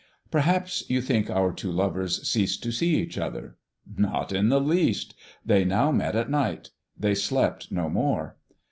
"Perhaps you think our two lovers ceased to see each other. Not in the least. They now met at night; they slept no more.